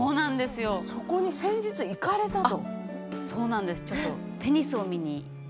そこに先日行かれたと。